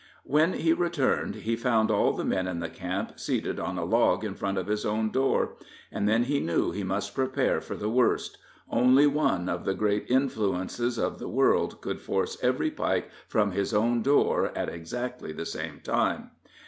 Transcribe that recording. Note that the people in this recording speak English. When he returned he found all the men in the camp seated on a log in front of his own door, and then he knew he must prepare for the worst only one of the great influences of the world could force every Pike from his own door at exactly the same time.